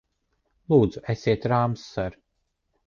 Lūdzu, esiet rāms, ser!